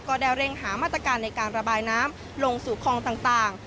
ก็ได้เร่งหามาตรการในการระบายน้ำลงสู่คลองต่าง